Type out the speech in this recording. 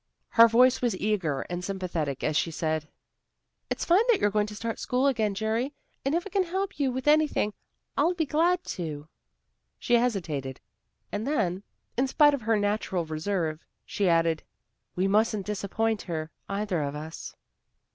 Her voice was eager and sympathetic as she said: "It's fine that you're going to start school again, Jerry. And if I can help you with anything, I'll be glad to." She hesitated, and then, in spite of her natural reserve, she added: "We mustn't disappoint her, either of us."